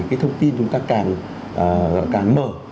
cái thông tin chúng ta càng mở